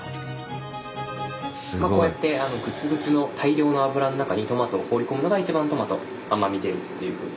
こうやってグツグツの大量の油の中にトマトを放り込むのが一番トマト甘み出るっていうふうに。